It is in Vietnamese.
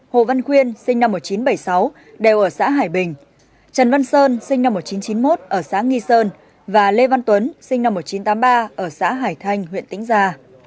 hồ văn khuyên sinh năm một nghìn chín trăm bảy mươi sáu đều ở xã hải bình trần văn sơn sinh năm một nghìn chín trăm chín mươi một ở xã nghi sơn và lê văn tuấn sinh năm một nghìn chín trăm tám mươi ba ở xã hải thanh huyện tĩnh gia